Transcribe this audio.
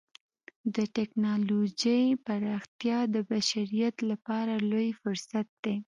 د ټکنالوجۍ پراختیا د بشریت لپاره لوی فرصت دی.